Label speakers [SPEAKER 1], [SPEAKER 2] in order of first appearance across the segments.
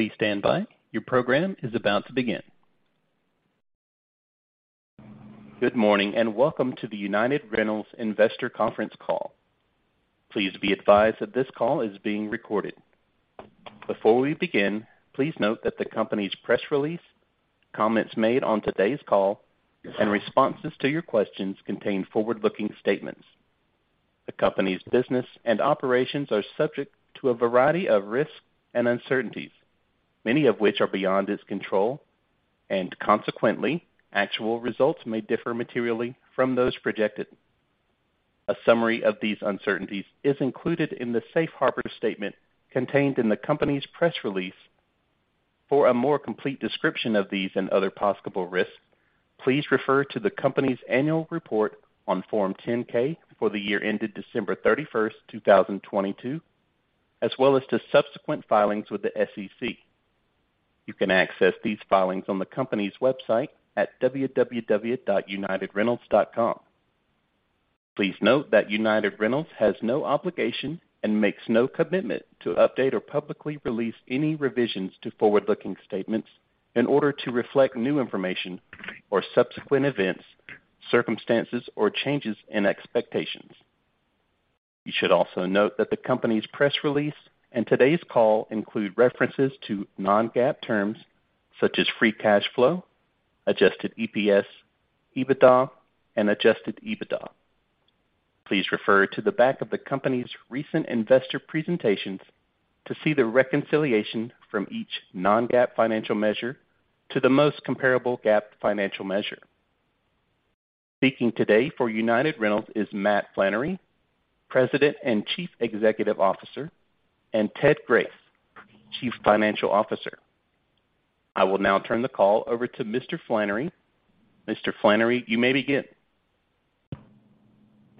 [SPEAKER 1] Please stand by. Your program is about to begin. Good morning, welcome to the United Rentals Investor Conference Call. Please be advised that this call is being recorded. Before we begin, please note that the company's press release, comments made on today's call, and responses to your questions contain forward-looking statements. The company's business and operations are subject to a variety of risks and uncertainties, many of which are beyond its control, and consequently, actual results may differ materially from those projected. A summary of these uncertainties is included in the safe harbor statement contained in the company's press release. For a more complete description of these and other possible risks, please refer to the company's annual report on Form 10-K for the year ended December 31st, 2022, as well as to subsequent filings with the SEC. You can access these filings on the company's website at www.unitedrentals.com. Please note that United Rentals has no obligation and makes no commitment to update or publicly release any revisions to forward-looking statements in order to reflect new information or subsequent events, circumstances, or changes in expectations. You should also note that the company's press release and today's call include references to non-GAAP terms such as free cash flow, adjusted EPS, EBITDA, and adjusted EBITDA. Please refer to the back of the company's recent investor presentations to see the reconciliation from each non-GAAP financial measure to the most comparable GAAP financial measure. Speaking today for United Rentals is Matt Flannery, President and Chief Executive Officer, and Ted Grace, Chief Financial Officer. I will now turn the call over to Mr. Flannery. Mr. Flannery, you may begin.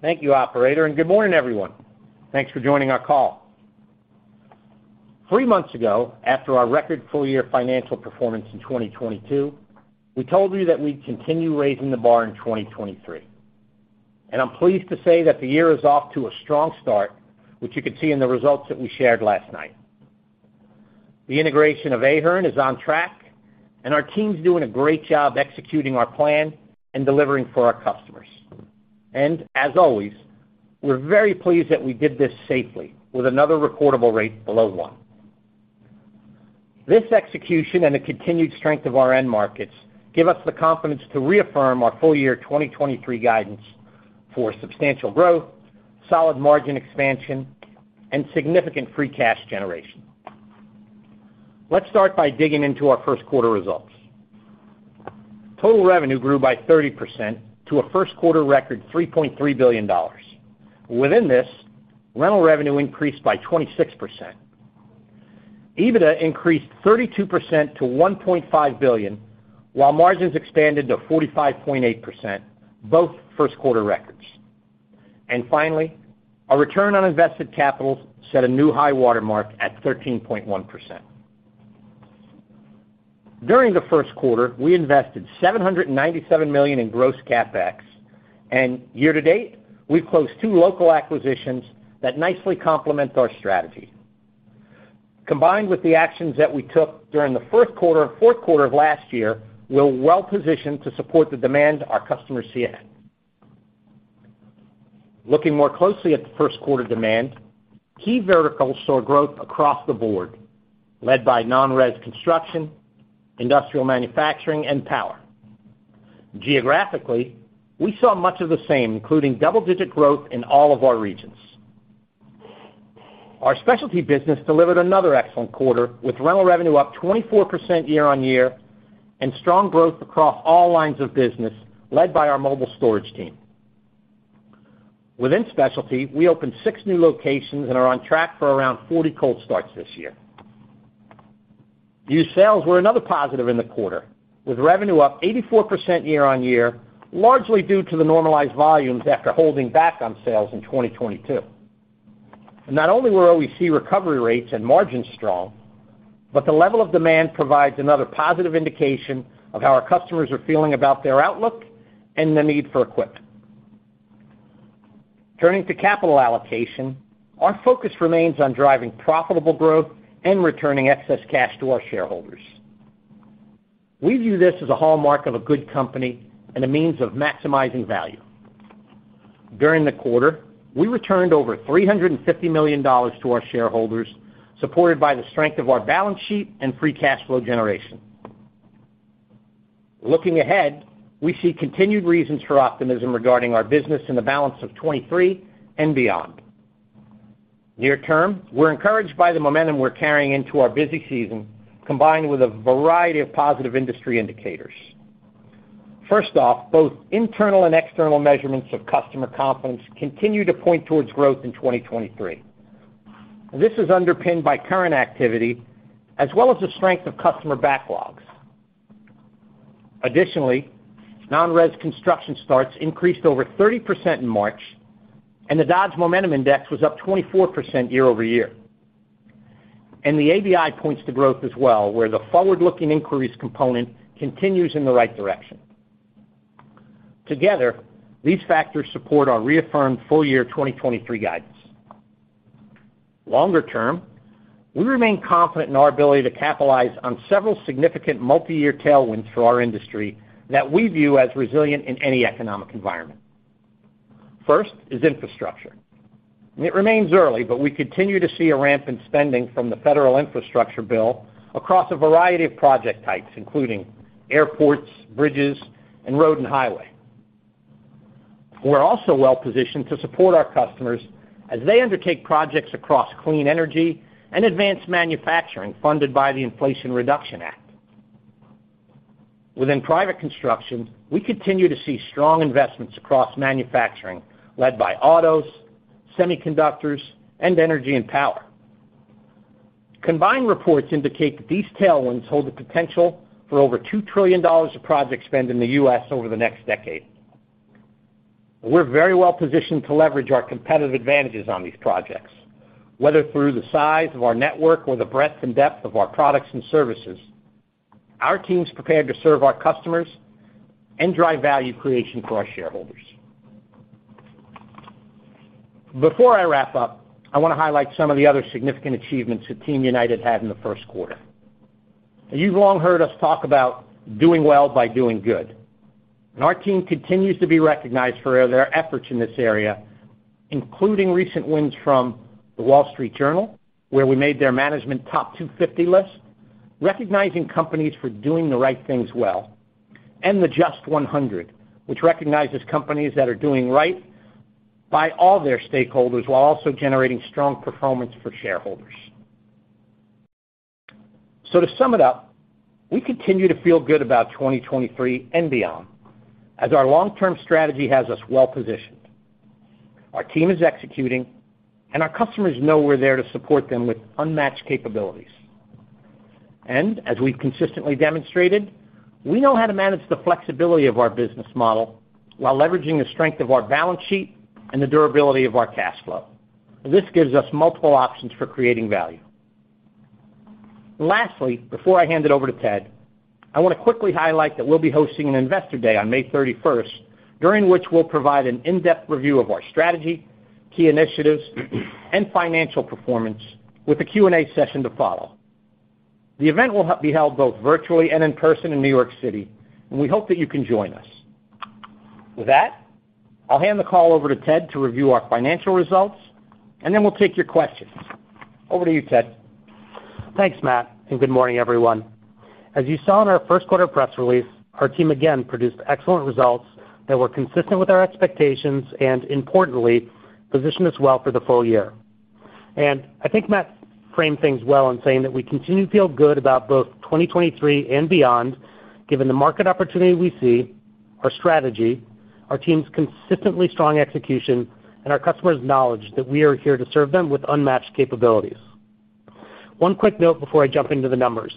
[SPEAKER 2] Thank you, operator, good morning, everyone. Thanks for joining our call. Three months ago, after our record full-year financial performance in 2022, we told you that we'd continue raising the bar in 2023. I'm pleased to say that the year is off to a strong start, which you could see in the results that we shared last night. The integration of Ahern is on track, and our team's doing a great job executing our plan and delivering for our customers. As always, we're very pleased that we did this safely with another reportable rate below one. This execution and the continued strength of our end markets give us the confidence to reaffirm our full year 2023 guidance for substantial growth, solid margin expansion, and significant free cash generation. Let's start by digging into our first quarter results. Total revenue grew by 30% to a first quarter record $3.3 billion. Within this, rental revenue increased by 26%. EBITDA increased 32% to $1.5 billion, while margins expanded to 45.8%, both first quarter records. Finally, our return on invested capital set a new high watermark at 13.1%. During the first quarter, we invested $797 million in gross CapEx, and year-to-date, we've closed two local acquisitions that nicely complement our strategy. Combined with the actions that we took during the first quarter and fourth quarter of last year, we're well-positioned to support the demand our customers see ahead. Looking more closely at the first quarter demand, key verticals saw growth across the board, led by non-res construction, industrial manufacturing, and power. Geographically, we saw much of the same, including double-digit growth in all of our regions. Our specialty business delivered another excellent quarter, with rental revenue up 24% year-on-year and strong growth across all lines of business, led by our Mobile Storage team. Within specialty, we opened 6 new locations and are on track for around 40 cold starts this year. Used sales were another positive in the quarter, with revenue up 84% year-on-year, largely due to the normalized volumes after holding back on sales in 2022. Not only were OEC recovery rates and margins strong, but the level of demand provides another positive indication of how our customers are feeling about their outlook and the need for equipment. Turning to capital allocation, our focus remains on driving profitable growth and returning excess cash to our shareholders. We view this as a hallmark of a good company and a means of maximizing value. During the quarter, we returned over $350 million to our shareholders, supported by the strength of our balance sheet and free cash flow generation. Looking ahead, we see continued reasons for optimism regarding our business in the balance of 23 and beyond. Near term, we're encouraged by the momentum we're carrying into our busy season, combined with a variety of positive industry indicators. First off, both internal and external measurements of customer confidence continue to point towards growth in 2023. This is underpinned by current activity as well as the strength of customer backlogs. Additionally, non-res construction starts increased over 30% in March, and the Dodge Momentum Index was up 24% year-over-year. The ABI points to growth as well, where the forward-looking inquiries component continues in the right direction. Together, these factors support our reaffirmed full year 2023 guidance. Longer term, we remain confident in our ability to capitalize on several significant multi-year tailwinds for our industry that we view as resilient in any economic environment. First is infrastructure. It remains early, but we continue to see a ramp in spending from the Federal Infrastructure Bill across a variety of project types, including airports, bridges, and road and highway. We're also well-positioned to support our customers as they undertake projects across clean energy and advanced manufacturing funded by the Inflation Reduction Act. Within private construction, we continue to see strong investments across manufacturing, led by autos, semiconductors, and energy and power. Combined reports indicate that these tailwinds hold the potential for over $2 trillion of project spend in the U.S. over the next decade. We're very well-positioned to leverage our competitive advantages on these projects, whether through the size of our network or the breadth and depth of our products and services. Our team's prepared to serve our customers and drive value creation for our shareholders. Before I wrap up, I wanna highlight some of the other significant achievements that Team United had in the first quarter. You've long heard us talk about doing well by doing good. Our team continues to be recognized for their efforts in this area, including recent wins from The Wall Street Journal, where we made their Management Top 250 list, recognizing companies for doing the right things well. The JUST 100, which recognizes companies that are doing right by all their stakeholders while also generating strong performance for shareholders. To sum it up, we continue to feel good about 2023 and beyond as our long-term strategy has us well-positioned. Our team is executing. Our customers know we're there to support them with unmatched capabilities. As we've consistently demonstrated, we know how to manage the flexibility of our business model while leveraging the strength of our balance sheet and the durability of our cash flow. This gives us multiple options for creating value. Lastly, before I hand it over to Ted, I wanna quickly highlight that we'll be hosting an investor day on May 31st, during which we'll provide an in-depth review of our strategy, key initiatives, and financial performance with a Q&A session to follow. The event will be held both virtually and in person in New York City, we hope that you can join us. With that, I'll hand the call over to Ted to review our financial results, then we'll take your questions. Over to you, Ted.
[SPEAKER 3] Thanks, Matt, good morning, everyone. As you saw in our first quarter press release, our team again produced excellent results that were consistent with our expectations and, importantly, positioned us well for the full year. I think Matt framed things well in saying that we continue to feel good about both 2023 and beyond, given the market opportunity we see, our strategy, our team's consistently strong execution, and our customers' knowledge that we are here to serve them with unmatched capabilities. One quick note before I jump into the numbers.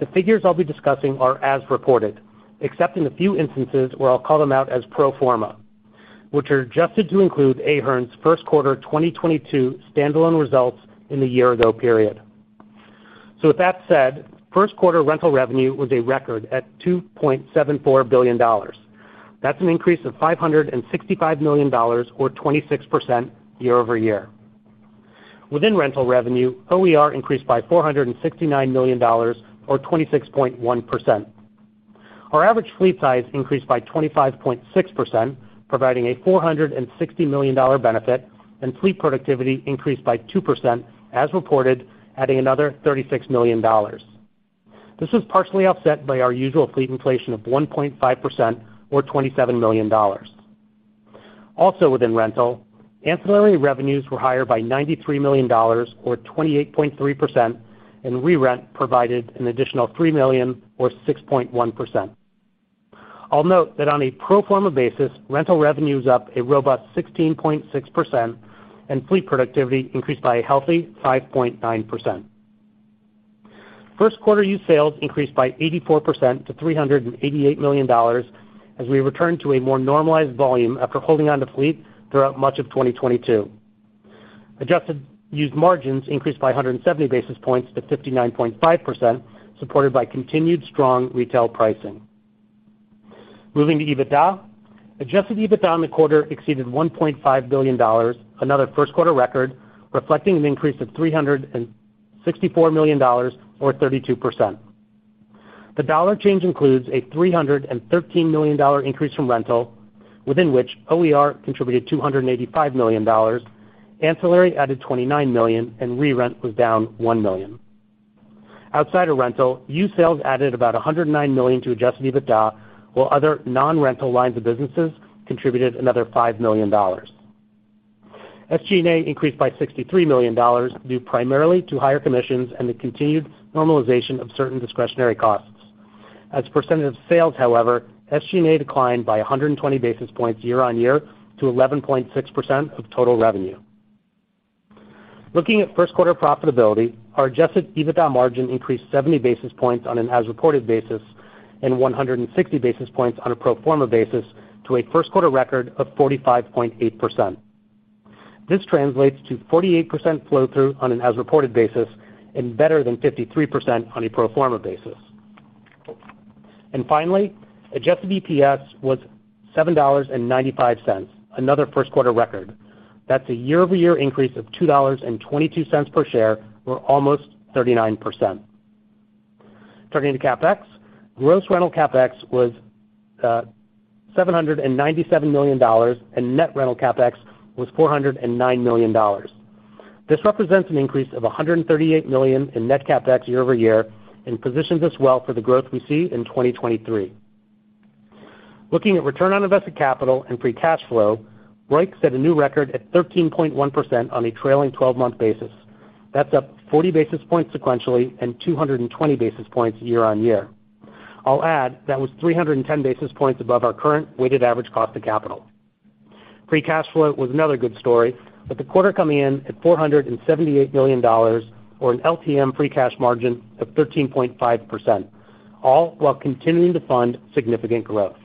[SPEAKER 3] The figures I'll be discussing are as reported, except in a few instances where I'll call them out as pro forma, which are adjusted to include Ahern's first quarter 2022 stand-alone results in the year ago period. With that said, first quarter rental revenue was a record at $2.74 billion. That's an increase of $565 million or 26% year-over-year. Within rental revenue, OER increased by $469 million or 26.1%. Our average fleet size increased by 25.6%, providing a $460 million benefit, and fleet productivity increased by 2% as reported, adding another $36 million. This was partially offset by our usual fleet inflation of 1.5% or $27 million. Also within rental, ancillary revenues were higher by $93 million or 28.3%, and re-rent provided an additional $3 million or 6.1%. I'll note that on a pro forma basis, rental revenue is up a robust 16.6%, and fleet productivity increased by a healthy 5.9%. First quarter used sales increased by 84% to $388 million as we return to a more normalized volume after holding on to fleet throughout much of 2022. Adjusted used margins increased by 170 basis points to 59.5%, supported by continued strong retail pricing. Moving to EBITDA. Adjusted EBITDA in the quarter exceeded $1.5 billion, another first quarter record, reflecting an increase of $364 million or 32%. The dollar change includes a $313 million increase from rental, within which OER contributed $285 million, ancillary added $29 million, and re-rent was down $1 million. Outside of rental, used sales added about $109 million to adjusted EBITDA, while other non-rental lines of businesses contributed another $5 million. SG&A increased by $63 million, due primarily to higher commissions and the continued normalization of certain discretionary costs. As a percentage of sales, however, SG&A declined by 120 basis points year-on-year to 11.6% of total revenue. Looking at first quarter profitability, our adjusted EBITDA margin increased 70 basis points on an as-reported basis and 160 basis points on a pro forma basis to a first quarter record of 45.8%. This translates to 48% flow through on an as-reported basis and better than 53% on a pro forma basis. Finally, adjusted EPS was $7.95, another first quarter record. That's a year-over-year increase of $2.22 per share or almost 39%. Turning to CapEx. Gross rental CapEx was $797 million, and net rental CapEx was $409 million. This represents an increase of $138 million in net CapEx year-over-year and positions us well for the growth we see in 2023. Looking at return on invested capital and free cash flow, ROIC set a new record at 13.1% on a trailing 12-month basis. That's up 40 basis points sequentially and 220 basis points year-on-year. I'll add that was 310 basis points above our current weighted average cost of capital. Free cash flow was another good story, with the quarter coming in at $478 million or an LTM free cash margin of 13.5%, all while continuing to fund significant growth.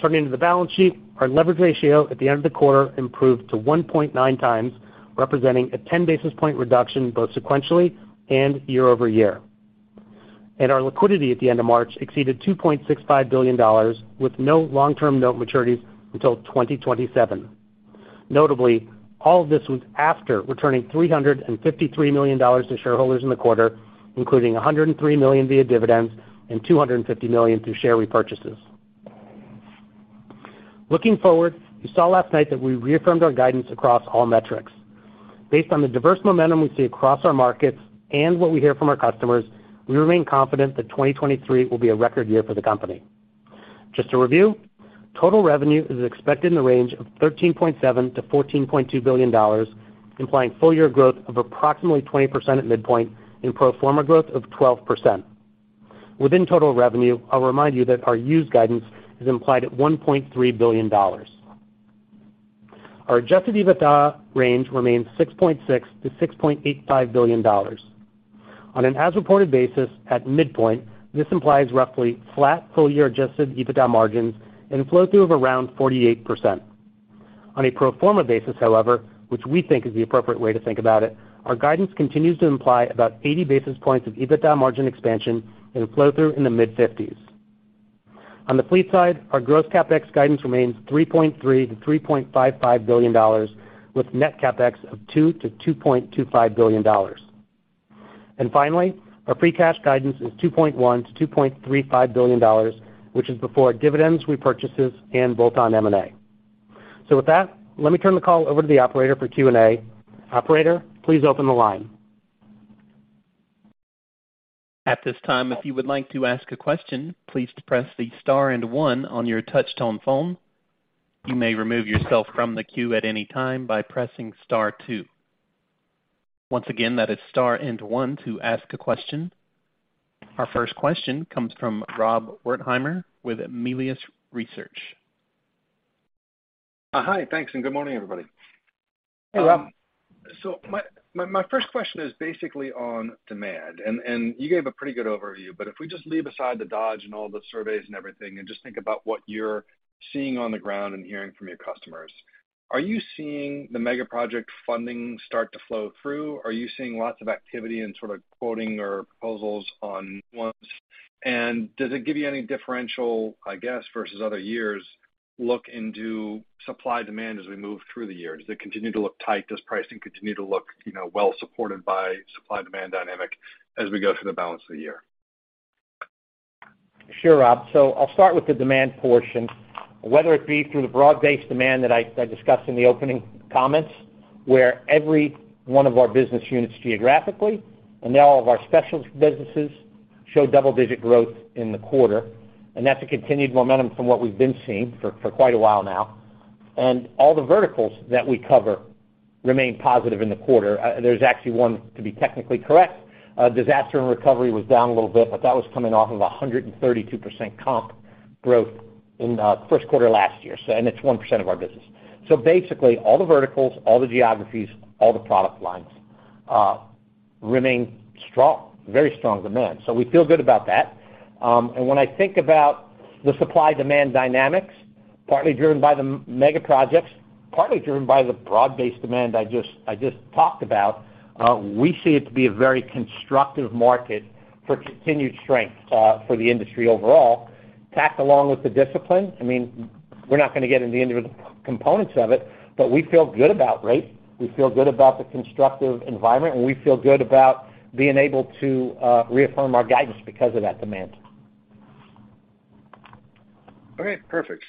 [SPEAKER 3] Turning to the balance sheet. Our leverage ratio at the end of the quarter improved to 1.9x, representing a 10 basis point reduction both sequentially and year-over-year. Our liquidity at the end of March exceeded $2.65 billion, with no long-term note maturities until 2027. Notably, all of this was after returning $353 million to shareholders in the quarter, including $103 million via dividends and $250 million through share repurchases. Looking forward, you saw last night that we reaffirmed our guidance across all metrics. Based on the diverse momentum we see across our markets and what we hear from our customers, we remain confident that 2023 will be a record year for the company. Just to review, total revenue is expected in the range of $13.7 billion-$14.2 billion, implying full-year growth of approximately 20% at midpoint and pro forma growth of 12%. Within total revenue, I'll remind you that our used guidance is implied at $1.3 billion. Our adjusted EBITDA range remains $6.6 billion-$6.85 billion. On an as-reported basis at midpoint, this implies roughly flat full-year adjusted EBITDA margins and flow-through of around 48%. On a pro forma basis, however, which we think is the appropriate way to think about it, our guidance continues to imply about 80 basis points of EBITDA margin expansion and a flow-through in the mid-50%s. On the fleet side, our gross CapEx guidance remains $3.3 billion-$3.55 billion, with net CapEx of $2 billion-$2.25 billion. Finally, our free cash guidance is $2.1 billion-$2.35 billion, which is before dividends, repurchases, and bolt-on M&A. With that, let me turn the call over to the operator for Q&A. Operator, please open the line.
[SPEAKER 1] At this time, if you would like to ask a question, please press the star and one on your touch tone phone. You may remove yourself from the queue at any time by pressing star two. Once again, that is star and one to ask a question. Our first question comes from Rob Wertheimer with Melius Research.
[SPEAKER 4] Hi. Thanks, and good morning, everybody.
[SPEAKER 2] Hey, Rob.
[SPEAKER 4] My first question is basically on demand, and you gave a pretty good overview, but if we just leave aside the Dodge and all the surveys and everything and just think about what you're seeing on the ground and hearing from your customers, are you seeing the mega-project funding start to flow through? Are you seeing lots of activity and sort of quoting or proposals on ones? Does it give you any differential, I guess, versus other years look into supply demand as we move through the year? Does it continue to look tight? Does pricing continue to look, you know, well supported by supply demand dynamic as we go through the balance of the year?
[SPEAKER 2] Sure, Rob. I'll start with the demand portion, whether it be through the broad-based demand that I discussed in the opening comments, where every one of our business units geographically and now all of our specialist businesses show double-digit growth in the quarter. That's a continued momentum from what we've been seeing for quite a while now. All the verticals that we cover remain positive in the quarter. There's actually one to be technically correct. Disaster and recovery was down a little bit, but that was coming off of a 132% comp growth in first quarter last year. It's 1% of our business. Basically, all the verticals, all the geographies, all the product lines, remain strong, very strong demand. We feel good about that. When I think about the supply-demand dynamics, partly driven by the mega projects, partly driven by the broad-based demand I just talked about, we see it to be a very constructive market for continued strength for the industry overall. Tacked along with the discipline, I mean, we're not gonna get into the individual components of it, but we feel good about rates. We feel good about the constructive environment, and we feel good about being able to reaffirm our guidance because of that demand.
[SPEAKER 4] Okay, perfect.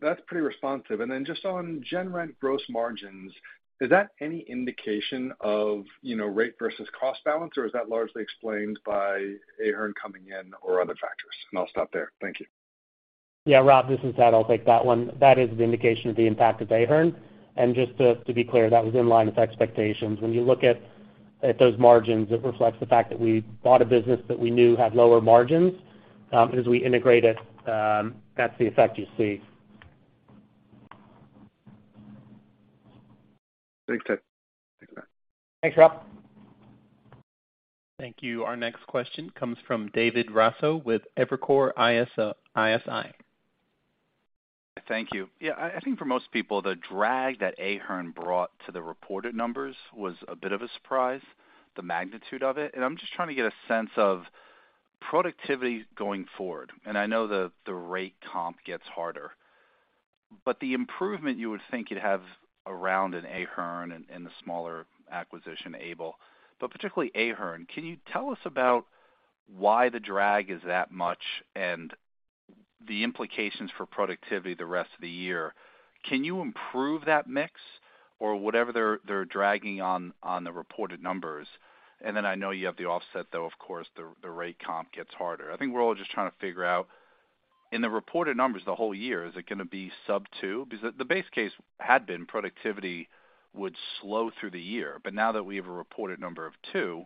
[SPEAKER 4] That's pretty responsive. Just on gen rent gross margins, is that any indication of, you know, rate versus cost balance, or is that largely explained by Ahern coming in or other factors? I'll stop there. Thank you.
[SPEAKER 3] Yeah. Rob, this is Ted. I'll take that one. That is the indication of the impact of Ahern. Just to be clear, that was in line with expectations. When you look at those margins, it reflects the fact that we bought a business that we knew had lower margins. As we integrate it, that's the effect you see.
[SPEAKER 4] Thanks, Ted. Thanks a lot.
[SPEAKER 3] Thanks, Rob.
[SPEAKER 1] Thank you. Our next question comes from David Raso with Evercore ISI.
[SPEAKER 5] Thank you. Yeah, I think for most people, the drag that Ahern brought to the reported numbers was a bit of a surprise, the magnitude of it. I'm just trying to get a sense of productivity going forward. I know the rate comp gets harder. The improvement you would think you'd have around in Ahern and the smaller acquisition, Able, but particularly Ahern, can you tell us about why the drag is that much and the implications for productivity the rest of the year? Can you improve that mix or whatever they're dragging on the reported numbers? Then I know you have the offset, though, of course, the rate comp gets harder. I think we're all just trying to figure out in the reported numbers the whole year, is it gonna be sub two? The base case had been productivity would slow through the year. Now that we have a reported number of two,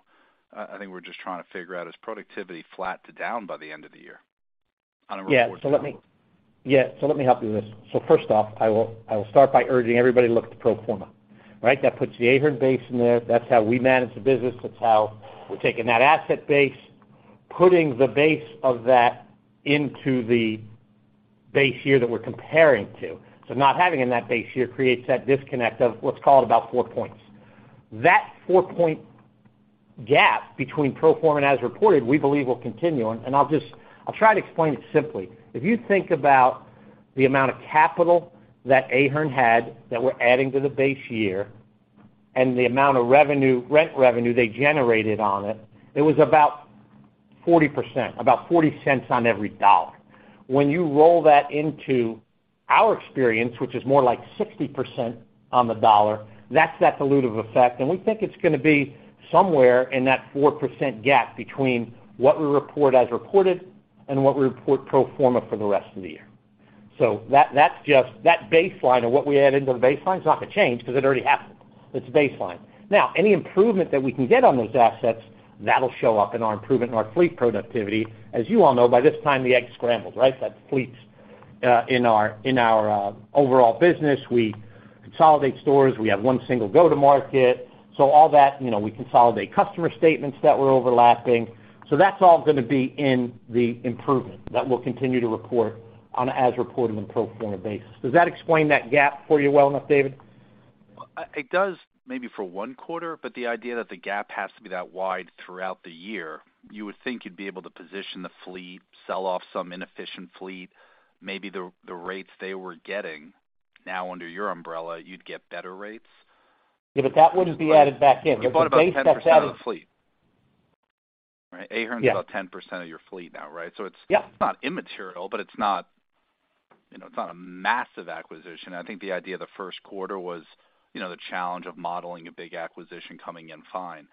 [SPEAKER 5] I think we're just trying to figure out is productivity flat to down by the end of the year on a report?
[SPEAKER 2] Let me help you with this. First off, I will start by urging everybody look at the pro forma, right? That puts the Ahern base in there. That's how we manage the business. That's how we're taking that asset base, putting the base of that into the base year that we're comparing to. Not having in that base year creates that disconnect of what's called about four points. That four-point gap between pro forma and as reported, we believe will continue on. I'll try to explain it simply. If you think about the amount of capital that Ahern had that we're adding to the base year and the amount of rent revenue they generated on it was about 40%, about $0.40 on every dollar. When you roll that into our experience, which is more like 60% on the dollar, that's that dilutive effect. We think it's gonna be somewhere in that 4% gap between what we report as reported and what we report pro forma for the rest of the year. That's just that baseline or what we add into the baseline is not gonna change because it already happened. It's baseline. Any improvement that we can get on those assets, that'll show up in our improvement in our fleet productivity. As you all know, by this time the egg scrambled, right? That fleets in our overall business. We consolidate stores. We have one single go-to-market. All that, you know, we consolidate customer statements that were overlapping. That's all gonna be in the improvement that we'll continue to report on an as reported and pro forma basis. Does that explain that gap for you well enough, David?
[SPEAKER 5] It does maybe for one quarter, but the idea that the gap has to be that wide throughout the year, you would think you'd be able to position the fleet, sell off some inefficient fleet, maybe the rates they were getting now under your umbrella, you'd get better rates.
[SPEAKER 2] Yeah, that wouldn't be added back in because the base.
[SPEAKER 5] You bought about 10% of the fleet, right?
[SPEAKER 2] Yeah.
[SPEAKER 5] Ahern's about 10% of your fleet now, right?
[SPEAKER 2] Yeah.
[SPEAKER 5] It's not immaterial, but it's not, you know, it's not a massive acquisition. I think the idea the first quarter was, you know, the challenge of modeling a big acquisition coming in fine.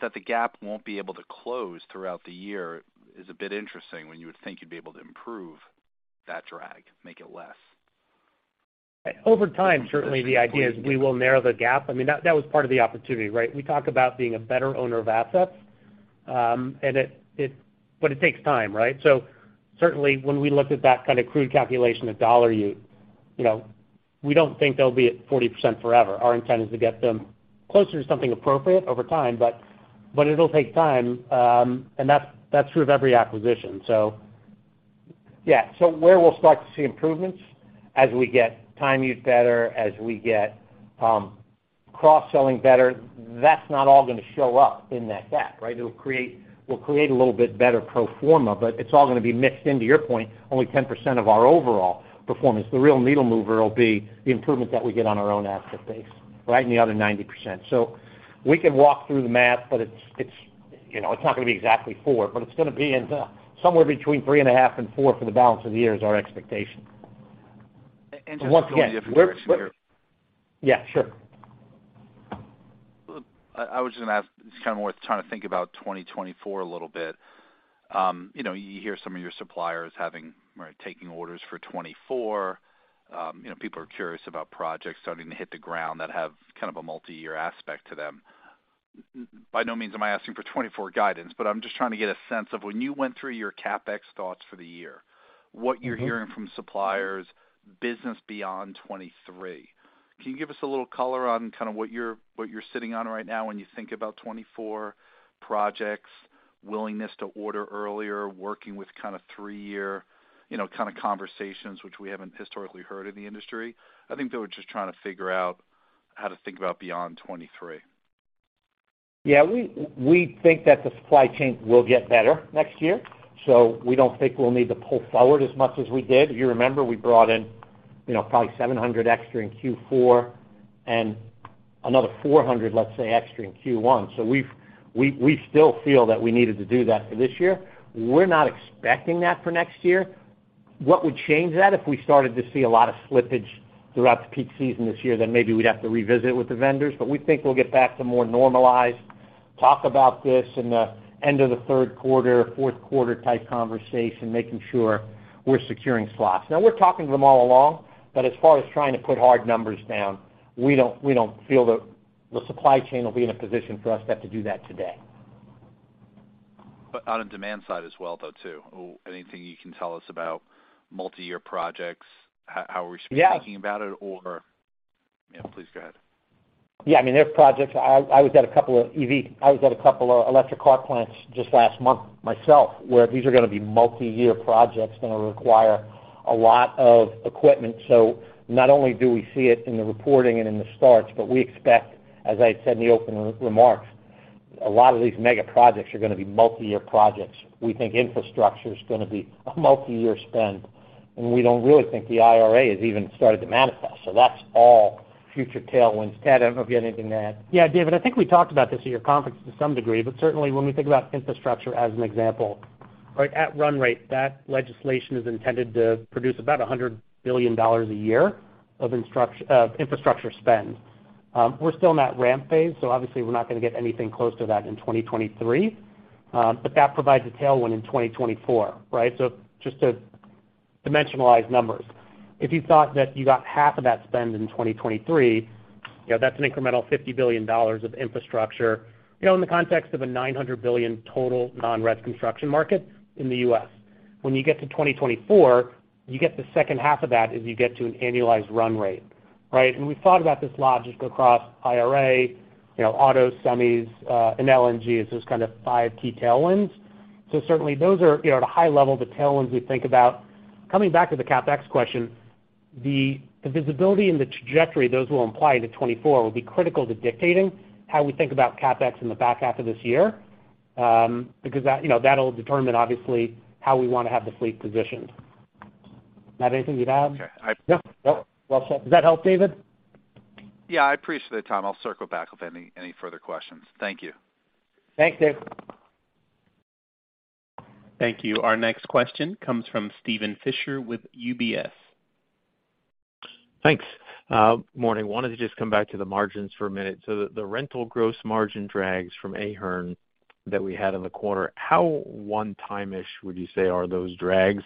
[SPEAKER 5] That the gap won't be able to close throughout the year is a bit interesting when you would think you'd be able to improve that drag, make it less.
[SPEAKER 2] Over time, certainly the idea is we will narrow the gap. I mean, that was part of the opportunity, right? We talk about being a better owner of assets. But it takes time, right? Certainly when we looked at that kind of crude calculation of dollar utilization, you know, we don't think they'll be at 40% forever. Our intent is to get them closer to something appropriate over time, but it'll take time. And that's true of every acquisition. Yeah. Where we'll start to see improvements as we get time utilization better, as we get cross-selling better, that's not all gonna show up in that gap, right? We'll create a little bit better pro forma, but it's all gonna be mixed in, to your point, only 10% of our overall performance. The real needle mover will be the improvement that we get on our own asset base, right, and the other 90%. We can walk through the math, but it's, you know, it's not gonna be exactly 4%, but it's gonna be in somewhere between 3.5% and 4% for the balance of the year is our expectation.
[SPEAKER 5] Just one.
[SPEAKER 2] Once again, Yeah, sure.
[SPEAKER 5] I was just gonna ask, just kinda more trying to think about 2024 a little bit. you know, you hear some of your suppliers having or taking orders for 2024. you know, people are curious about projects starting to hit the ground that have kind of a multi-year aspect to them. By no means am I asking for 2024 guidance, but I'm just trying to get a sense of when you went through your CapEx thoughts for the year.
[SPEAKER 2] Mm-hmm.
[SPEAKER 5] What you're hearing from suppliers, business beyond 2023. Can you give us a little color on kind of what you're sitting on right now when you think about 2024 projects, willingness to order earlier, working with kinda three-year, you know, kinda conversations which we haven't historically heard in the industry? I think they were just trying to figure out how to think about beyond 2023.
[SPEAKER 2] Yeah. We think that the supply chain will get better next year. We don't think we'll need to pull forward as much as we did. You remember we brought in, you know, probably 700 extra in Q4 and another 400, let say, extra in Q1. We still feel that we needed to do that for this year. We're not expecting that for next year. What would change that? If we started to see a lot of slippage throughout the peak season this year, maybe we'd have to revisit with the vendors. We think we'll get back to more normalized talk about this in the end of the third quarter, fourth quarter type conversation, making sure we're securing slots. We're talking to them all along, as far as trying to put hard numbers down, we don't feel the supply chain will be in a position for us to do that today.
[SPEAKER 5] On demand side as well, though, too. Anything you can tell us about multi-year projects? How are we thinking about it? Yeah, please go ahead.
[SPEAKER 2] Yeah, I mean, there are projects. I was at a couple of electric car plants just last month myself, where these are gonna be multi-year projects gonna require a lot of equipment. Not only do we see it in the reporting and in the starts, but we expect, as I said in the open remarks, a lot of these mega projects are gonna be multi-year projects. We think infrastructure is gonna be a multi-year spend, and we don't really think the IRA has even started to manifest. That's all future tailwinds. Ted, I don't know if you have anything to add.
[SPEAKER 3] David, I think we talked about this at your conference to some degree. Certainly, when we think about infrastructure as an example, right? At run rate, that legislation is intended to produce about $100 billion a year of infrastructure spend. We're still in that ramp phase. Obviously, we're not gonna get anything close to that in 2023. That provides a tailwind in 2024, right? Just to dimensionalize numbers. If you thought that you got half of that spend in 2023, you know, that's an incremental $50 billion of infrastructure, you know, in the context of a $900 billion total non-res construction market in the U.S. When you get to 2024, you get the second half of that as you get to an annualized run rate, right? We thought about this logically across IRA, you know, auto, semis, and LNG as those kind of five key tailwinds. Certainly those are, you know, at a high level, the tailwinds we think about. Coming back to the CapEx question, the visibility and the trajectory those will imply into 2024 will be critical to dictating how we think about CapEx in the back half of this year, because that, you know, that'll determine obviously how we wanna have the fleet positioned. Matt, anything you'd add?
[SPEAKER 5] Okay.
[SPEAKER 3] No? Well, does that help, David?
[SPEAKER 5] I appreciate the time. I'll circle back with any further questions. Thank you.
[SPEAKER 3] Thanks, Dave.
[SPEAKER 1] Thank you. Our next question comes from Steven Fisher with UBS.
[SPEAKER 6] Thanks. Morning. Wanted to just come back to the margins for a minute. The rental gross margin drags from Ahern that we had in the quarter, how one-time-ish would you say are those drags?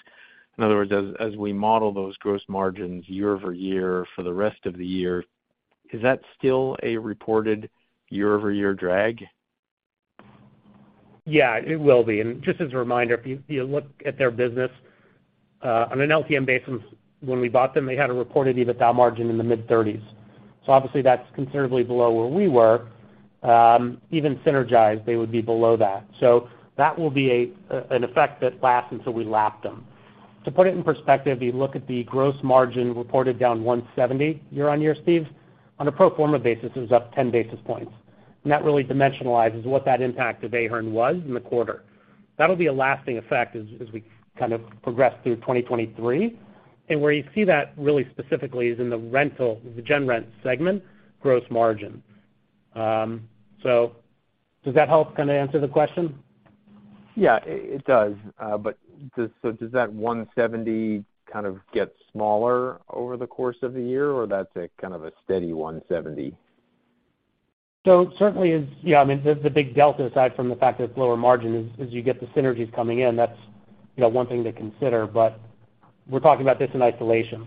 [SPEAKER 6] In other words, as we model those gross margins year-over-year for the rest of the year, is that still a reported year-over-year drag?
[SPEAKER 3] Yeah, it will be. Just as a reminder, if you look at their business on an LTM basis, when we bought them, they had a reported EBITDA margin in the mid-30s. Obviously that's considerably below where we were. Even synergized, they would be below that. That will be an effect that lasts until we lap them. To put it in perspective, you look at the gross margin reported down 170 year-over-year, Steve. On a pro forma basis, it was up 10 basis points. That really dimensionalizes what that impact of Ahern was in the quarter. That'll be a lasting effect as we kind of progress through 2023. Where you see that really specifically is in the gen rent segment gross margin. Does that help kinda answer the question?
[SPEAKER 6] Yeah, it does. Does that $170 kind of get smaller over the course of the year, or that's a kind of a steady $170?
[SPEAKER 3] Certainly is. Yeah, I mean, the big delta, aside from the fact that it's lower margin is you get the synergies coming in. That's, you know, one thing to consider, but we're talking about this in isolation.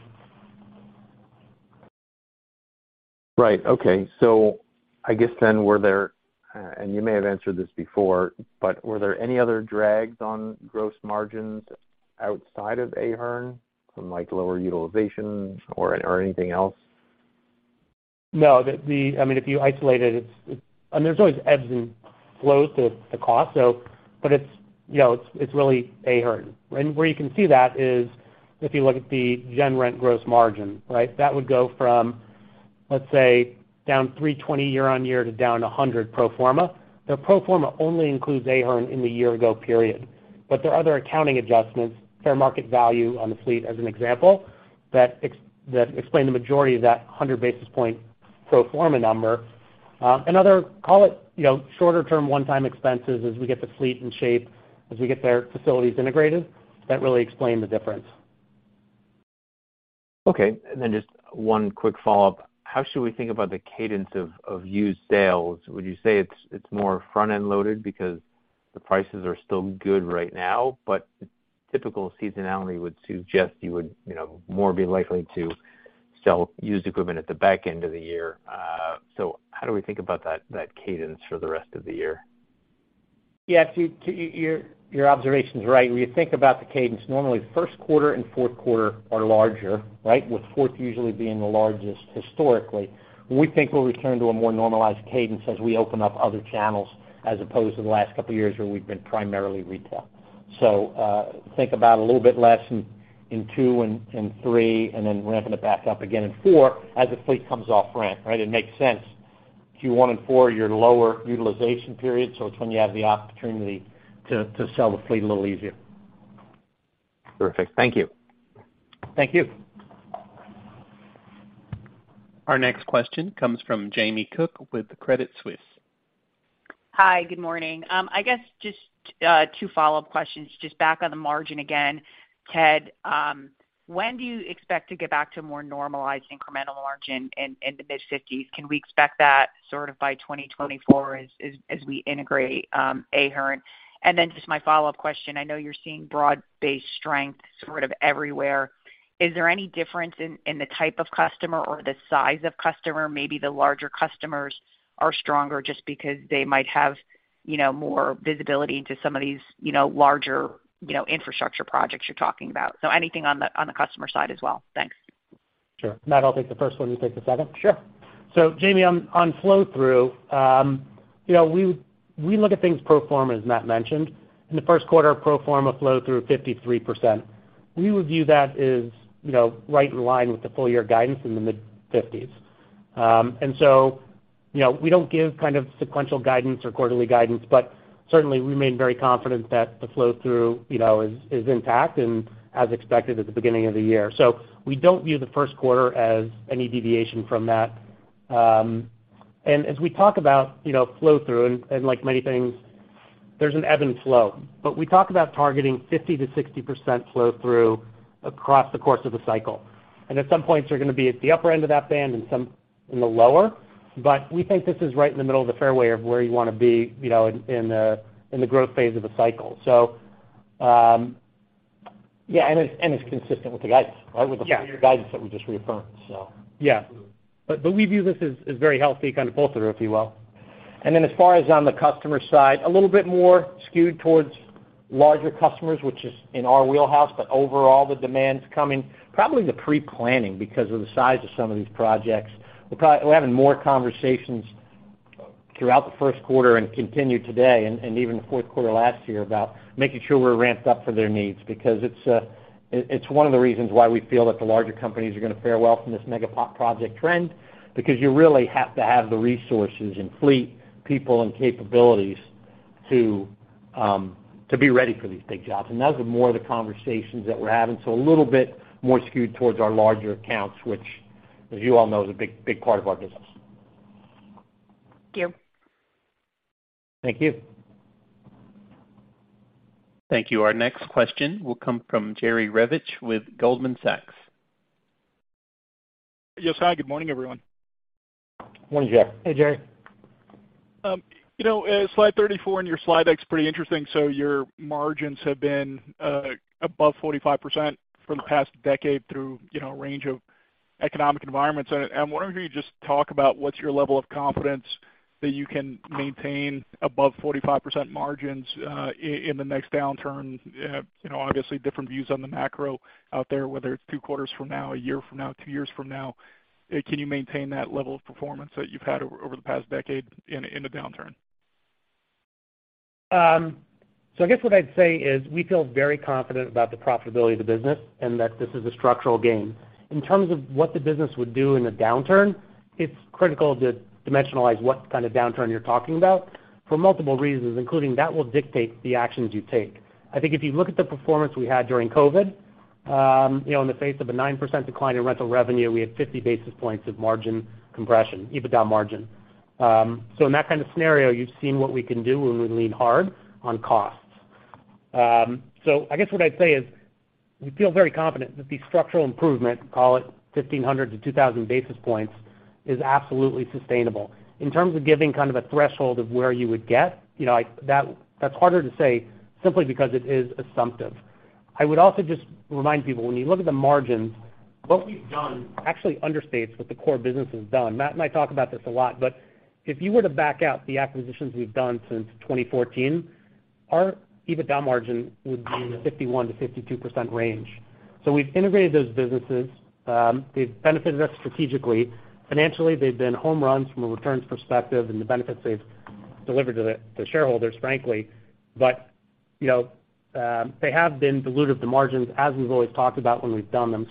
[SPEAKER 6] Right. Okay. I guess, and you may have answered this before, but were there any other drags on gross margins outside of Ahern from, like, lower utilization or anything else?
[SPEAKER 3] No. I mean, if you isolate it's. I mean, there's always ebbs and flows to cost, so but it's, you know, it's really Ahern. Where you can see that is if you look at the gen rent gross margin, right? That would go from, let's say, down 320 year-on-year to down 100 pro forma. The pro forma only includes Ahern in the year ago period. There are other accounting adjustments, fair market value on the fleet as an example, that explain the majority of that 100 basis point pro forma number. Another call it, you know, shorter term one-time expenses as we get the fleet in shape, as we get their facilities integrated, that really explain the difference.
[SPEAKER 6] Okay. Then just one quick follow-up. How should we think about the cadence of used sales? Would you say it's more front-end loaded because the prices are still good right now, but typical seasonality would suggest you would, you know, more be likely to sell used equipment at the back end of the year. How do we think about that cadence for the rest of the year?
[SPEAKER 2] Your observation's right. When you think about the cadence, normally first quarter and fourth quarter are larger, right, with fourth usually being the largest historically. We think we'll return to a more normalized cadence as we open up other channels as opposed to the last couple of years where we've been primarily retail. Think about a little bit less in Q2 and Q3, and then ramping it back up again inQ 4 as the fleet comes off rent, right? It makes sense. Q1 and Q4 are your lower utilization periods, so it's when you have the opportunity to sell the fleet a little easier.
[SPEAKER 6] Perfect. Thank you.
[SPEAKER 2] Thank you.
[SPEAKER 1] Our next question comes from Jamie Cook with Credit Suisse.
[SPEAKER 7] Hi. Good morning. I guess just two follow-up questions just back on the margin again. Ted, when do you expect to get back to a more normalized incremental margin in the mid-fifties? Can we expect that sort of by 2024 as we integrate Ahern? Just my follow-up question, I know you're seeing broad-based strength sort of everywhere. Is there any difference in the type of customer or the size of customer, maybe the larger customers? are stronger just because they might have, you know, more visibility into some of these, you know, larger, you know, infrastructure projects you're talking about. Anything on the, on the customer side as well. Thanks.
[SPEAKER 3] Sure. Matt, I'll take the first one, you take the second. Sure. Jamie, on flow-through, you know, we look at things pro forma, as Matt mentioned. In the first quarter, pro forma flow-through 53%. We would view that as, you know, right in line with the full year guidance in the mid-50%s. You know, we don't give kind of sequential guidance or quarterly guidance, but certainly we remain very confident that the flow-through, you know, is intact and as expected at the beginning of the year. We don't view the first quarter as any deviation from that. As we talk about, you know, flow-through, and like many things, there's an ebb and flow. We talk about targeting 50%-60% flow-through across the course of the cycle. At some points, you're gonna be at the upper end of that band and some in the lower, but we think this is right in the middle of the fairway of where you wanna be, you know, in the, in the growth phase of a cycle.
[SPEAKER 2] Yeah, it's consistent with the guidance, right?
[SPEAKER 3] Yeah.
[SPEAKER 2] With the full year guidance that we just reaffirmed, so.
[SPEAKER 3] Yeah. We view this as very healthy kind of bolster, if you will. As far as on the customer side, a little bit more skewed towards larger customers, which is in our wheelhouse. Overall, the demand's coming, probably the pre-planning because of the size of some of these projects. We're having more conversations throughout the first quarter and continue today, and even the fourth quarter last year, about making sure we're ramped up for their needs because it's one of the reasons why we feel that the larger companies are gonna fare well from this mega project trend, because you really have to have the resources and fleet, people, and capabilities to be ready for these big jobs. Those are more of the conversations that we're having, so a little bit more skewed towards our larger accounts, which, as you all know, is a big part of our business.
[SPEAKER 7] Thank you.
[SPEAKER 2] Thank you.
[SPEAKER 1] Thank you. Our next question will come from Jerry Revich with Goldman Sachs.
[SPEAKER 8] Yes, hi. Good morning, everyone.
[SPEAKER 2] Morning, Jerry.
[SPEAKER 3] Hey, Jerry.
[SPEAKER 8] You know, Slide 34 in your Slide Deck's pretty interesting. Your margins have been above 45% for the past decade through, you know, a range of economic environments. I wonder if you could just talk about what's your level of confidence that you can maintain above 45% margins in the next downturn. You know, obviously, different views on the macro out there, whether it's two quarters from now, one year from now, two years from now. Can you maintain that level of performance that you've had over the past decade in a, in a downturn?
[SPEAKER 3] I guess what I'd say is we feel very confident about the profitability of the business, and that this is a structural gain. In terms of what the business would do in a downturn, it's critical to dimensionalize what kind of downturn you're talking about for multiple reasons, including that will dictate the actions you take. I think if you look at the performance we had during COVID, you know, in the face of a 9% decline in rental revenue, we had 50 basis points of margin compression, EBITDA margin. In that kind of scenario, you've seen what we can do when we lean hard on costs. I guess what I'd say is we feel very confident that the structural improvement, call it 1,500 to 2,000 basis points, is absolutely sustainable. In terms of giving kind of a threshold of where you would get, you know, I, that's harder to say simply because it is assumptive. I would also just remind people, when you look at the margins, what we've done actually understates what the core business has done. Matt and I talk about this a lot, but if you were to back out the acquisitions we've done since 2014, our EBITDA margin would be in the 51%-52% range. We've integrated those businesses. They've benefited us strategically. Financially, they've been home runs from a returns perspective and the benefits they've delivered to the shareholders, frankly. you know, they have been dilutive to margins as we've always talked about when we've done them.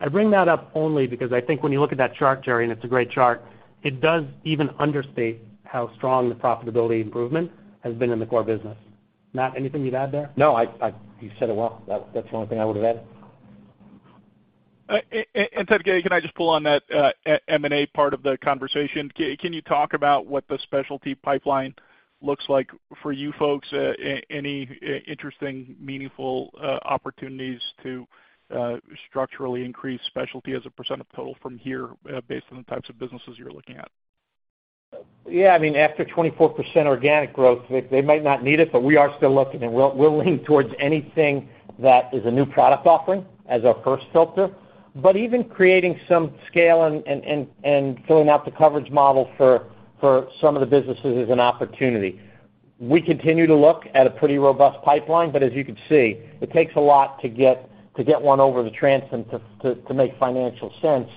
[SPEAKER 3] I bring that up only because I think when you look at that chart, Jerry, and it's a great chart, it does even understate how strong the profitability improvement has been in the core business. Matt, anything you'd add there?
[SPEAKER 2] No, you said it well. That's the only thing I would have added.
[SPEAKER 8] Ted, can I just pull on that M&A part of the conversation? Can you talk about what the specialty pipeline looks like for you folks? Any interesting, meaningful opportunities to structurally increase specialty as a percent of total from here, based on the types of businesses you're looking at?
[SPEAKER 3] Yeah. I mean, after 24% organic growth, they might not need it. We are still looking, and we'll lean towards anything that is a new product offering as our first filter. Even creating some scale and filling out the coverage model for some of the businesses is an opportunity. We continue to look at a pretty robust pipeline. As you can see, it takes a lot to get one over the transom to make financial sense.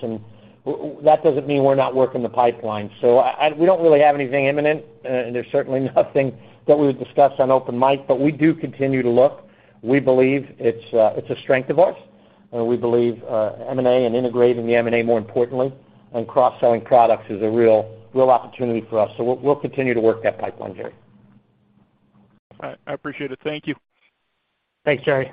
[SPEAKER 3] That doesn't mean we're not working the pipeline. We don't really have anything imminent, and there's certainly nothing that we would discuss on open mic, but we do continue to look. We believe it's a strength of ours. We believe M&A and integrating the M&A, more importantly, and cross-selling products is a real opportunity for us. We'll continue to work that pipeline, Jerry.
[SPEAKER 8] All right. I appreciate it. Thank you.
[SPEAKER 3] Thanks, Jerry.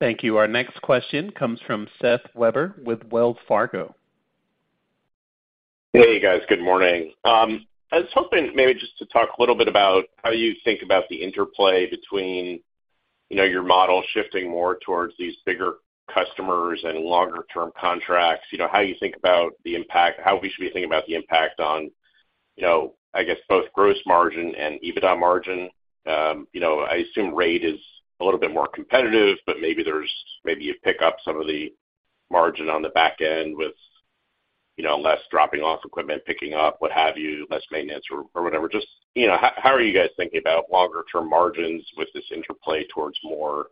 [SPEAKER 1] Thank you. Our next question comes from Seth Weber with Wells Fargo.
[SPEAKER 9] Hey, you guys. Good morning. I was hoping maybe just to talk a little bit about how you think about the interplay between, you know, your model shifting more towards these bigger customers and longer term contracts. You know, how you think about the impact, how we should be thinking about the impact on you know, I guess both gross margin and EBITDA margin, you know, I assume rate is a little bit more competitive, but maybe you pick up some of the margin on the back end with, you know, less dropping off equipment, picking up, what have you, less maintenance or whatever. Just, you know, how are you guys thinking about longer term margins with this interplay towards more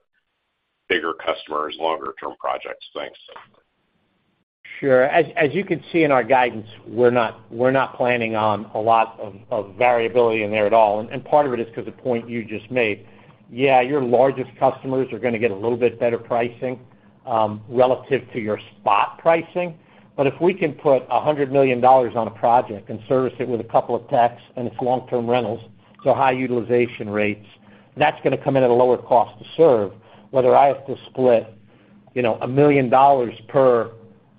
[SPEAKER 9] bigger customers, longer term projects? Thanks.
[SPEAKER 2] Sure. As you can see in our guidance, we're not planning on a lot of variability in there at all, part of it is 'cause the point you just made. Yeah, your largest customers are gonna get a little bit better pricing relative to your spot pricing. If we can put $100 million on a project and service it with a couple of techs, and it's long-term rentals, so high utilization rates, that's gonna come in at a lower cost to serve, whether I have to split, you know, $1 million per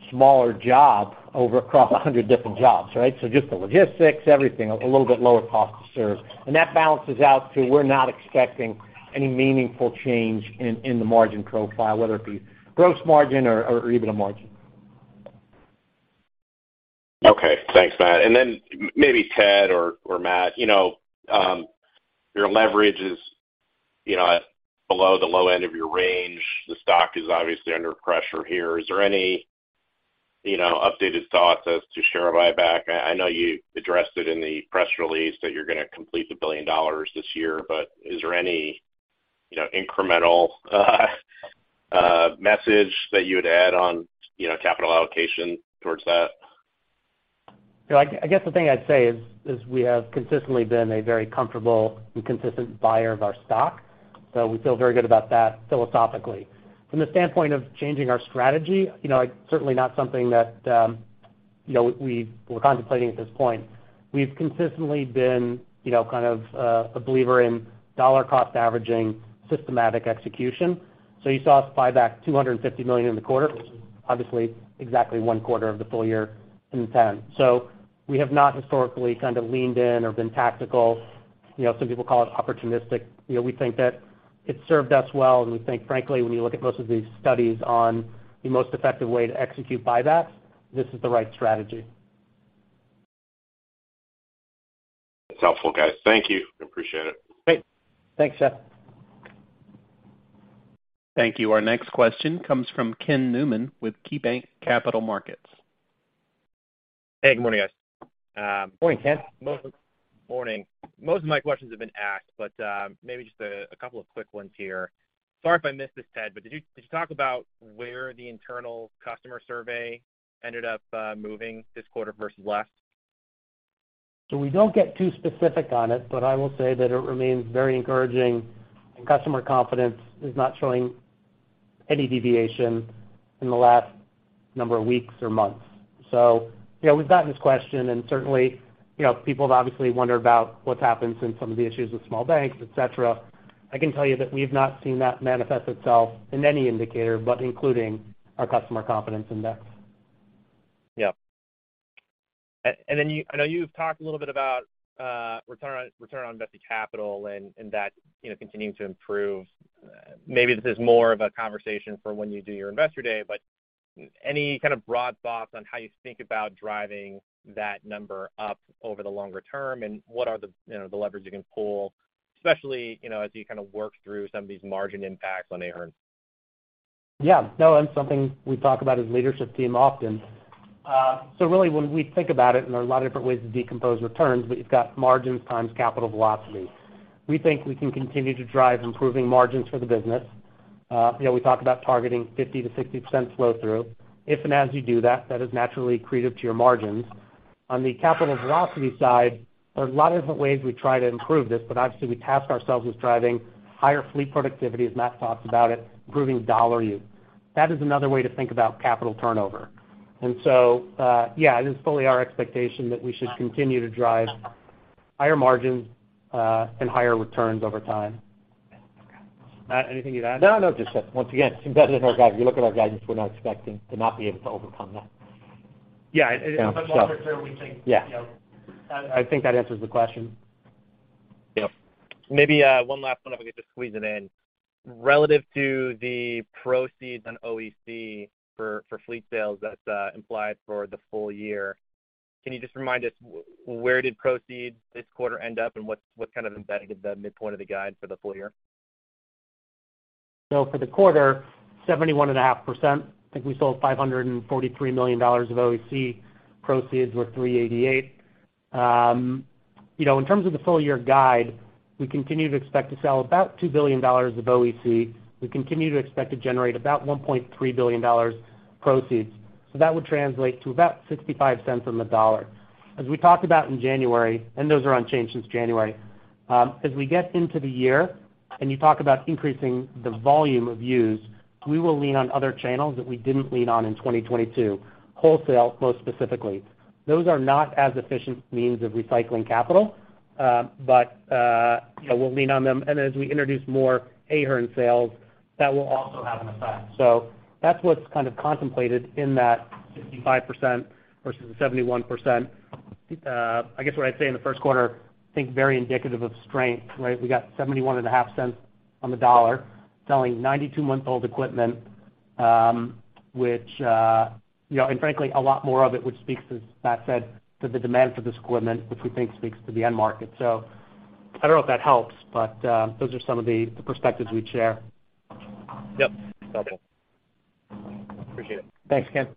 [SPEAKER 2] smaller job over across 100 different jobs, right? Just the logistics, everything, a little bit lower cost to serve. That balances out to we're not expecting any meaningful change in the margin profile, whether it be gross margin or EBITDA margin.
[SPEAKER 9] Okay. Thanks, Matt. Then maybe Ted or Matt, you know, your leverage is, you know, below the low end of your range. The stock is obviously under pressure here. Is there any, you know, updated thoughts as to share buyback? I know you addressed it in the press release that you're gonna complete the $1 billion this year, but is there any, you know, incremental message that you would add on, you know, capital allocation towards that?
[SPEAKER 3] I guess the thing I'd say is, we have consistently been a very comfortable and consistent buyer of our stock. We feel very good about that philosophically. From the standpoint of changing our strategy, you know, certainly not something that, you know, we're contemplating at this point. We've consistently been, you know, kind of a believer in dollar cost averaging, systematic execution. You saw us buy back $250 million in the quarter, obviously exactly one quarter of the full year in 10. We have not historically kind of leaned in or been tactical. You know, some people call it opportunistic. You know, we think that it served us well, and we think, frankly, when you look at most of these studies on the most effective way to execute buybacks, this is the right strategy.
[SPEAKER 9] That's helpful, guys. Thank you. I appreciate it.
[SPEAKER 3] Great. Thanks, Seth.
[SPEAKER 1] Thank you. Our next question comes from Ken Newman with KeyBanc Capital Markets.
[SPEAKER 10] Hey, good morning, guys.
[SPEAKER 2] Morning, Ken.
[SPEAKER 10] Morning. Most of my questions have been asked, but maybe just a couple of quick ones here. Sorry if I missed this, Ted, but did you talk about where the internal customer survey ended up moving this quarter versus last?
[SPEAKER 3] We don't get too specific on it, but I will say that it remains very encouraging. Customer confidence is not showing any deviation in the last number of weeks or months. You know, we've gotten this question, and certainly, you know, people have obviously wondered about what's happened since some of the issues with small banks, et cetera. I can tell you that we've not seen that manifest itself in any indicator, but including our customer confidence index.
[SPEAKER 10] Yeah. You I know you've talked a little bit about return on invested capital and that, you know, continuing to improve. Maybe this is more of a conversation for when you do your Investor Day, but any kind of broad thoughts on how you think about driving that number up over the longer term, and what are the, you know, the levers you can pull, especially, you know, as you kind of work through some of these margin impacts on Ahern?
[SPEAKER 3] Yeah. No, something we talk about as leadership team often. Really when we think about it, and there are a lot of different ways to decompose returns, but you've got margins times capital velocity. We think we can continue to drive improving margins for the business. You know, we talk about targeting 50%-60% flow through. If and as you do that is naturally accretive to your margins. On the capital velocity side, there are a lot of different ways we try to improve this, but obviously, we task ourselves with driving higher fleet productivity, as Matt talked about it, improving dollar utilization. That is another way to think about capital turnover. Yeah, it is fully our expectation that we should continue to drive higher margins and higher returns over time.
[SPEAKER 10] Okay.
[SPEAKER 3] Matt, anything you'd add?
[SPEAKER 2] No, no. Just that once again, it's embedded in our guidance. If you look at our guidance, we're not expecting to not be able to overcome that.
[SPEAKER 3] Yeah.
[SPEAKER 2] You know.
[SPEAKER 3] But longer term, we think-
[SPEAKER 2] Yeah.
[SPEAKER 3] You know. I think that answers the question.
[SPEAKER 10] Maybe one last one if I could just squeeze it in. Relative to the proceeds on OEC for fleet sales that's implied for the full year, can you just remind us where did proceeds this quarter end up, and what's kind of embedded at the midpoint of the guide for the full year?
[SPEAKER 3] For the quarter, 71.5%. I think we sold $543 million of OEC. Proceeds were $388 million. you know, in terms of the full year guide, we continue to expect to sell about $2 billion of OEC. We continue to expect to generate about $1.3 billion proceeds. That would translate to about $0.65 on the dollar. As we talked about in January, and those are unchanged since January, as we get into the year and you talk about increasing the volume of used, we will lean on other channels that we didn't lean on in 2022, wholesale most specifically. Those are not as efficient means of recycling capital, but, you know, we'll lean on them. As we introduce more Ahern sales, that will also have an effect. That's what's kind of contemplated in that 65% versus the 71%. I guess what I'd say in the first quarter, I think very indicative of strength, right? We got $0.715 on the dollar, selling 92-month-old equipment Which, you know, and frankly, a lot more of it, which speaks to, as Matt said, to the demand for this equipment, which we think speaks to the end market. I don't know if that helps, but those are some of the perspectives we'd share.
[SPEAKER 10] Yep. Sounds good. Appreciate it.
[SPEAKER 3] Thanks again.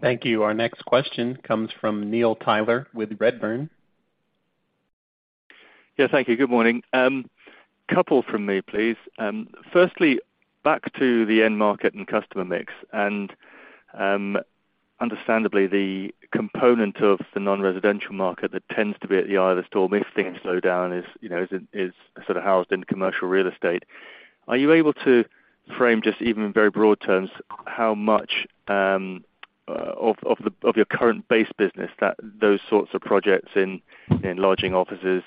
[SPEAKER 1] Thank you. Our next question comes from Neil Tyler with Redburn.
[SPEAKER 11] Yeah, thank you. Good morning. Couple from me, please. Firstly, back to the end market and customer mix, understandably, the component of the non-residential market that tends to be at the eye of the storm if things slow down is, you know, is sort of housed in commercial real estate. Are you able to frame just even in very broad terms, how much of your current base business that those sorts of projects in lodging offices,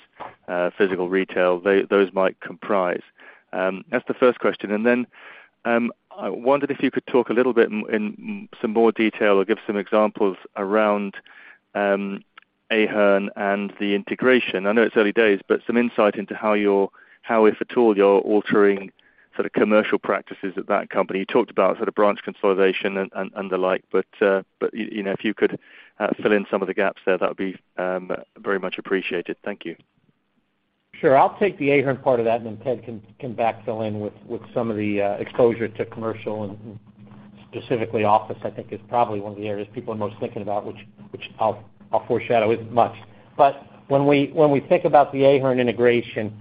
[SPEAKER 11] physical retail, those might comprise? That's the first question. I wondered if you could talk a little bit in some more detail or give some examples around Ahern and the integration. I know it's early days, but some insight into how, if at all, you're altering sort of commercial practices at that company. You talked about sort of branch consolidation and the like, but, you know, if you could, fill in some of the gaps there, that would be very much appreciated. Thank you.
[SPEAKER 2] Sure. I'll take the Ahern part of that, then Ted can backfill in with some of the exposure to commercial and specifically office, I think is probably one of the areas people are most thinking about, which I'll foreshadow isn't much. When we think about the Ahern integration,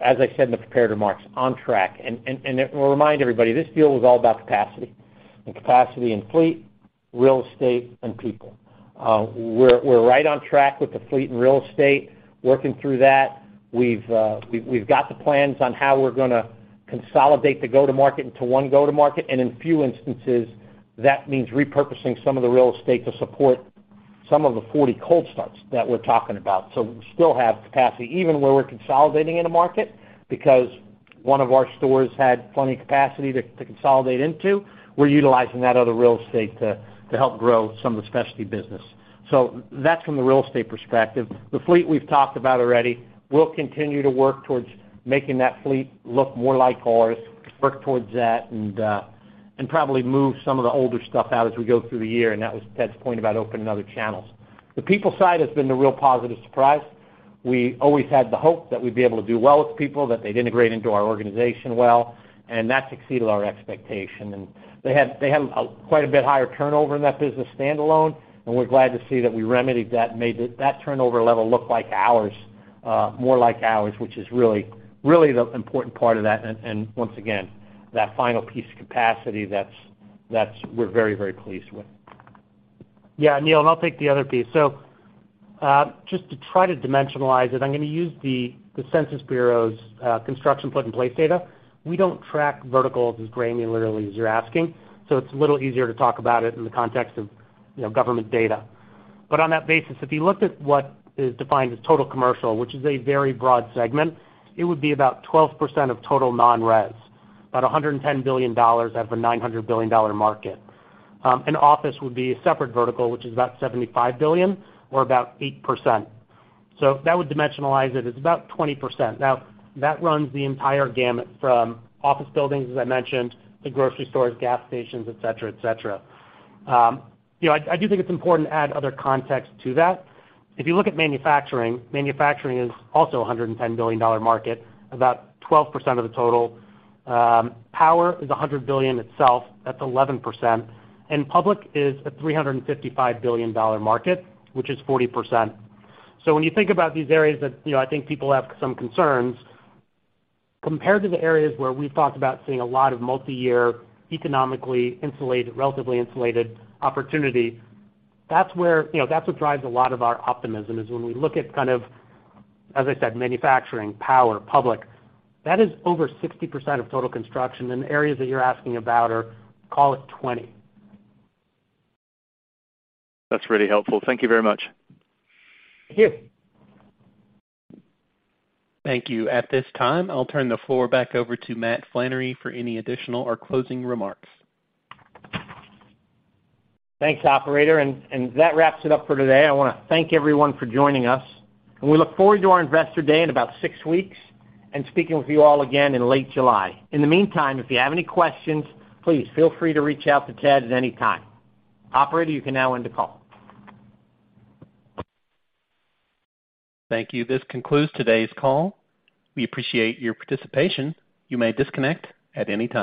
[SPEAKER 2] as I said in the prepared remarks, on track. I will remind everybody, this deal was all about capacity, and capacity in fleet, real estate, and people. We're right on track with the fleet and real estate, working through that. We've got the plans on how we're gonna consolidate the go-to-market into one go-to-market, in few instances, that means repurposing some of the real estate to support some of the 40 cold starts that we're talking about. We still have capacity even where we're consolidating in a market, because one of our stores had plenty capacity to consolidate into. We're utilizing that other real estate to help grow some of the specialty business. That's from the real estate perspective. The fleet we've talked about already. We'll continue to work towards making that fleet look more like ours, work towards that, and probably move some of the older stuff out as we go through the year, and that was Ted's point about opening other channels. The people side has been the real positive surprise. We always had the hope that we'd be able to do well with people, that they'd integrate into our organization well, and that's exceeded our expectation. They had quite a bit higher turnover in that business standalone, and we're glad to see that we remedied that and made that turnover level look like ours, more like ours, which is really the important part of that. Once again, that final piece of capacity that's we're very pleased with.
[SPEAKER 3] Neil, I'll take the other piece. Just to try to dimensionalize it, I'm gonna use the Census Bureau's construction put in place data. We don't track verticals as granularly as you're asking, it's a little easier to talk about it in the context of, you know, government data. On that basis, if you looked at what is defined as total commercial, which is a very broad segment, it would be about 12% of total non-res, about $110 billion out of a $900 billion market. Office would be a separate vertical, which is about $75 billion or about 8%. That would dimensionalize it. It's about 20%. Now, that runs the entire gamut from office buildings, as I mentioned, to grocery stores, gas stations, et cetera, et cetera. You know, I do think it's important to add other context to that. If you look at manufacturing is also a $110 billion market, about 12% of the total. Power is a $100 billion itself, that's 11%. Public is a $355 billion market, which is 40%. When you think about these areas that, you know, I think people have some concerns, compared to the areas where we've talked about seeing a lot of multi-year, economically insulated, relatively insulated opportunity, that's where, you know, that's what drives a lot of our optimism, is when we look at kind of, as I said, manufacturing, power, public, that is over 60% of total construction, and the areas that you're asking about are, call it, 20%.
[SPEAKER 11] That's really helpful. Thank you very much.
[SPEAKER 3] Thank you.
[SPEAKER 1] Thank you. At this time, I'll turn the floor back over to Matt Flannery for any additional or closing remarks.
[SPEAKER 2] Thanks, operator. That wraps it up for today. I wanna thank everyone for joining us, and we look forward to our investor day in about six weeks and speaking with you all again in late July. In the meantime, if you have any questions, please feel free to reach out to Ted at any time. Operator, you can now end the call.
[SPEAKER 1] Thank you. This concludes today's call. We appreciate your participation. You may disconnect at any time.